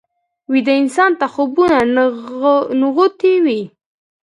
ویده انسان ته خوبونه نغوتې وي